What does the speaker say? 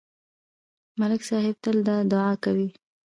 ملک صاحب تل دا دعا کوي